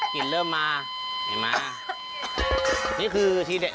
กลิ่นเริ่มมาเห็นไหม